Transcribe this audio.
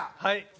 はい。